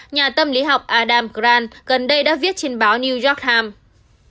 nhà tâm lý học adam gran gần đây đã viết trên báo new york times